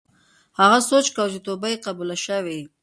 هغه سوچ کاوه چې توبه یې قبوله شوې.